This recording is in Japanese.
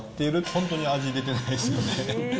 本当に味出てないですよね。